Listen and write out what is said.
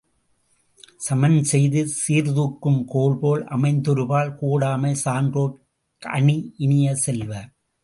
சமன்செய்து சீர்தூக்கும் கோல்போல் அமைந்தொருபால் கோடாமை சான்றோர்க் கணி இனிய செல்வ!